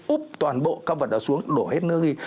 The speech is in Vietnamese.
úp toàn bộ các vật đó xuống đổ hết nước đi